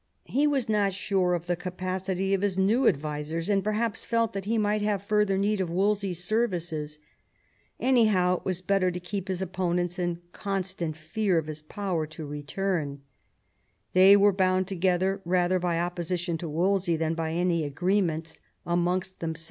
He was not sure of ihe capacity of his new advisers, and perhaps felt that he might have further need of Wolsey's services. Anyhow it was better to keep his opponents in constant fear of his return to power. They were bound together rather by opposition to Wolsey than by any agreement amongst tiiems.